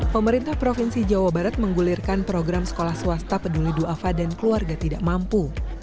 pemerintah provinsi jawa barat menggulirkan program sekolah swasta peduli du'afa dan keluarga tidak mampu